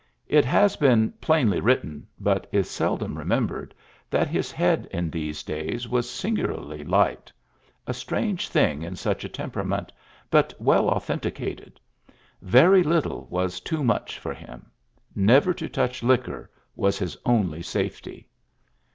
It has been plainly written, but is seldom remembered, that his head in these days was singularly light : a strange thing in such a temperament^ but well authenti cated. Very little was too much for him. Never to touch liquor was his only safety.